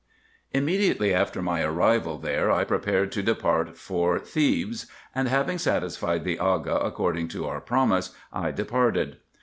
Immediately after my arrival there, I prepared to depart for Thebes, and having satisfied the Aga according to our promise, I departed.